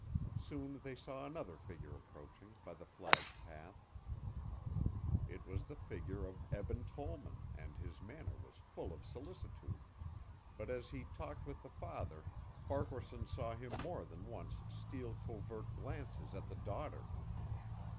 Soon they saw another figure approaching by the flagged path. It was the figure of Eben Tollman and his manner was full of solicitude but as he talked with the father, Farquaharson saw him more than once steal covert glances at the daughter.